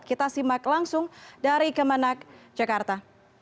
kita simak langsung dari kemenang jakarta